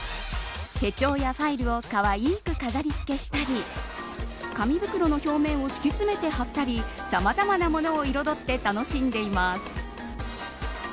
手帳やファイルをかわいく飾り付けしたり紙袋の表面を敷き詰めて貼ったりさまざまなものを彩って楽しんでいます。